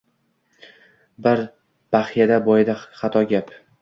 Bir baxyada boyidi xato gap